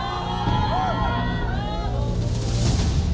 หลอก